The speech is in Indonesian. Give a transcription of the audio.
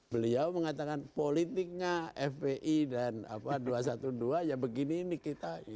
beliau mengatakan politiknya fpi dan dua ratus dua belas ya begini ini kita